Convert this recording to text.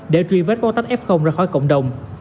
để truy vết bó tách f ra khỏi cộng đồng